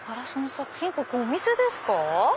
ここお店ですか？